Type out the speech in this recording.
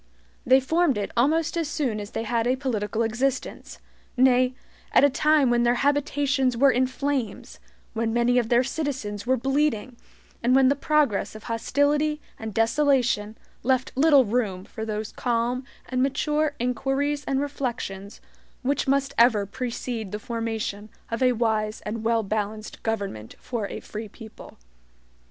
They formed it almost as soon as they had a political existence; nay, at a time when their habitations were in flames, when many of their citizens were bleeding, and when the progress of hostility and desolation left little room for those calm and mature inquiries and reflections which must ever precede the formation of a wise and well balanced government for a free people.